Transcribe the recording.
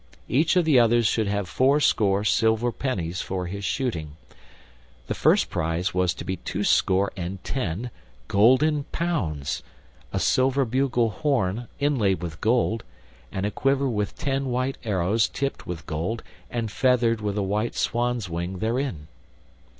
Each of the others should have fourscore silver pennies for his shooting. The first prize was to be twoscore and ten golden pounds, a silver bugle horn inlaid with gold, and a quiver with ten white arrows tipped with gold and feathered with the white swan's wing therein.